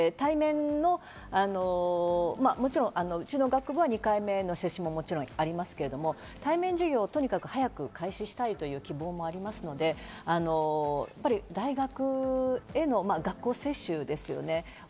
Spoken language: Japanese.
うちの学部は２回目の接種もありますけれど、対面授業をとにかく早く開始したいという希望もありますので、大学への学校接種ですよね。